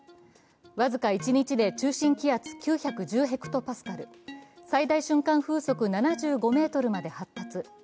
僅か一日で中心気圧９１０ｈＰａ最大瞬間風速７５メートルまで発達。